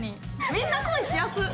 みんな恋しやすっ！